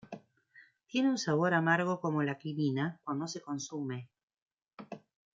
Tiene un sabor amargo como la quinina, cuando se consume.